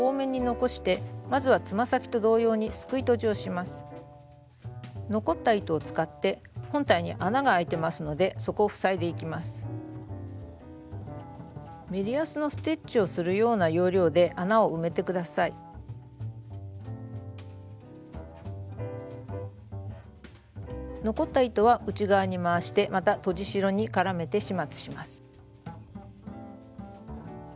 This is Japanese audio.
残った糸は内側に回してまたとじ代に絡めて始末します。